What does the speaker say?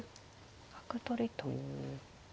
角取りと。